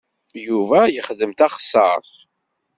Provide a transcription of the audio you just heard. Yuba yexdem taxeṣṣaṛt.